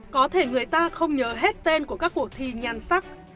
có thể người ta không nhớ hết tên của các cuộc thi nhan sắc